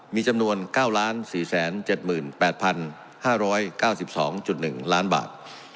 มีจำนวน๙๔๗๘๕๙๒๑ล้านบาท